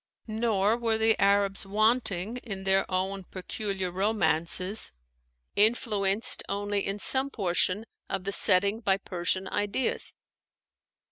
Nor were the Arabs wanting in their own peculiar 'Romances,' influenced only in some portions of the setting by Persian ideas.